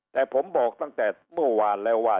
แต่ผมบอกตั้งแต่เมื่อวานแล้วว่า